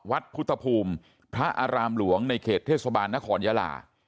วัดพุทธภูมิพระอารามหลวงในเขตเทศบาลนครยาลา